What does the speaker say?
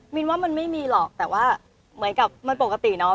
นว่ามันไม่มีหรอกแต่ว่าเหมือนกับมันปกติเนาะ